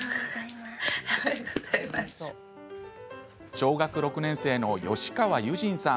小学６年生の吉川結尋さん。